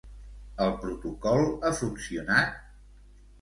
El protocol ha funcionat?